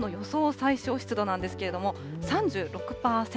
最小湿度なんですけれども、３６％。